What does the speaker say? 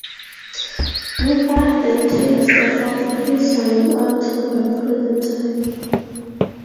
Luther then takes the fall for his son in order to avoid prison time.